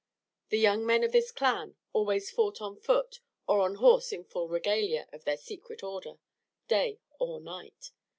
The young men of this clan always fought on foot or on horse in full regalia of their secret order, day or night.